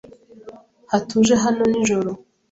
Hatuje hano nijoro.